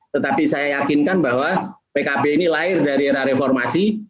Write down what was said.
tetapi saya yakinkan bahwa pkb ini lahir dari era reformasi